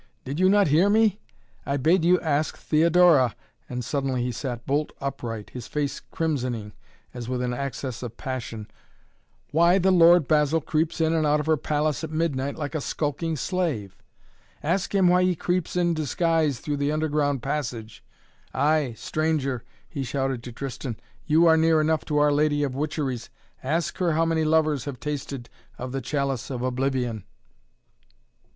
"Did you not hear me? I bade you ask Theodora," and suddenly he sat bolt upright, his face crimsoning as with an access of passion, "why the Lord Basil creeps in and out her palace at midnight like a skulking slave? Ask him why he creeps in disguise through the underground passage. Ay stranger," he shouted to Tristan, "you are near enough to our lady of Witcheries. Ask her how many lovers have tasted of the chalice of oblivion?"